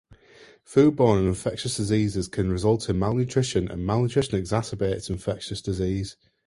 Foodborne and infectious diseases can result in malnutrition, and malnutrition exacerbates infectious disease.